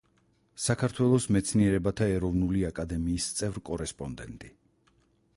საქართველოს მეცნიერებათა ეროვნული აკადემიის წევრ-კორესპოდენტი.